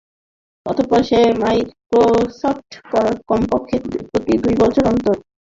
তার পর থেকে মাইক্রোসফ্ট কমপক্ষে প্রতি দুই বছর অন্তর ওয়ার্ডের একটি নতুন সংস্করণ প্রকাশ করেছে।